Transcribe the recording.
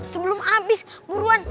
sebelum abis buruan